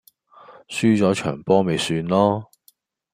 輸左場波咪算囉